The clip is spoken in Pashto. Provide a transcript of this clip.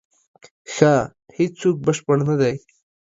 ښه، هیڅوک بشپړ نه دی.